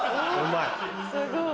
すごい！